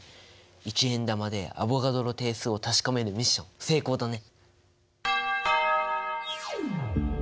１円玉でアボガドロ定数を確かめるミッション成功だね！